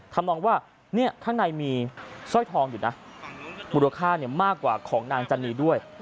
ทำนองว่าข้างในมีสร้อยทองอยู่นะมูลค่ามากกว่าของนางจันนีด้วย